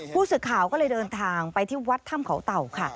ผู้สื่อข่าวก็เลยเดินทางไปที่วัดถ้ำเขาเต่าค่ะ